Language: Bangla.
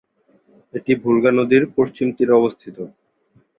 এটি ভোলগা নদীর পশ্চিম তীরে অবস্থিত।